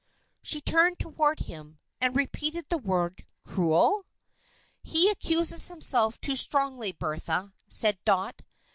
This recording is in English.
She turned toward him, and repeated the word, "Cruel?" "He accuses himself too strongly, Bertha," said Dot.